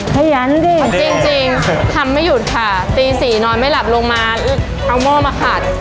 ขยันดิจริงทำไม่หยุดค่ะตี๔นอนไม่หลับลงมาเอาหม้อมาขัด